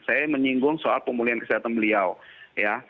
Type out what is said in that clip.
saya menyinggung soal pemulihan kesehatan beliau ya